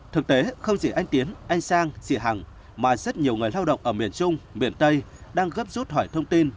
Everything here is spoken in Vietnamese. thực tế không chỉ anh tiến anh sang chị hằng mà rất nhiều người lao động ở miền trung miền tây đang gấp rút hỏi thông tin